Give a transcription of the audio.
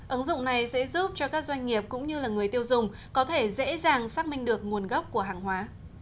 ứng dụng này sẽ giúp cho các doanh nghiệp cũng như người tiêu dùng có thể dễ dàng xác minh được nguồn gốc của hàng hóa